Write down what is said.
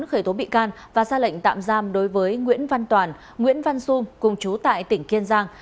khởi tố bị can và ra lệnh tạm giam đối với nguyễn văn toàn nguyễn văn du cùng chú tại tỉnh kiên giang